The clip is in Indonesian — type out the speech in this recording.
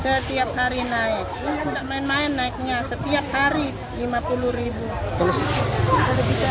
setiap hari naik tidak main main naiknya setiap hari lima puluh ribu